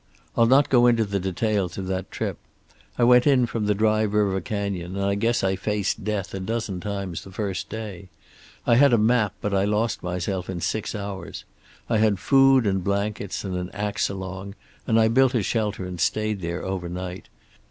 I'll not go into the details of that trip. I went in from the Dry River Canyon, and I guess I faced death a dozen times the first day. I had a map, but I lost myself in six hours. I had food and blankets and an axe along, and I built a shelter and stayed there overnight.